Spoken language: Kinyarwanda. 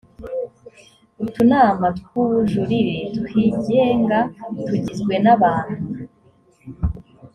utunama tw ubujurire twigenga tugizwe n abantu